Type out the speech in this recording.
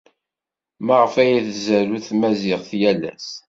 Maɣef ay tzerrew tamaziɣt yal ass?